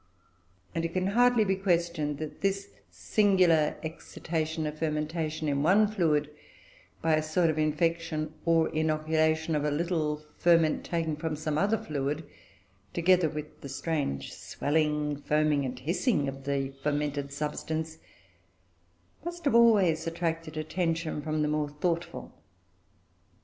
And it can hardly be questioned that this singular excitation of fermentation in one fluid, by a sort of infection, or inoculation, of a little ferment taken from some other fluid, together with the strange swelling, foaming, and hissing of the fermented substance, must have always attracted attention from the more thoughtful.